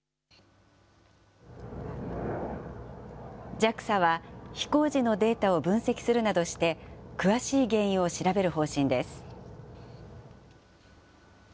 ＪＡＸＡは、飛行時のデータを分析するなどして、詳しい原因を調べる方針です。